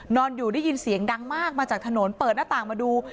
นอนอยู่ได้ยินเสียงดังมากมาจากถนนเปิดหน้าต่างมาดู